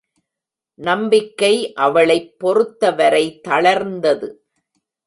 நம்பிக்கை அவளைப் பொறுத்த வரை தளர்ந்தது.